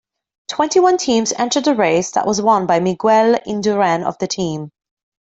Twenty-one teams entered the race that was won by Miguel Indurain of the team.